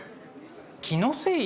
気のせい？